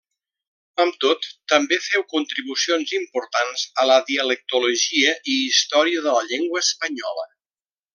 Amb tot, també féu contribucions importants a la dialectologia i història de la llengua espanyola.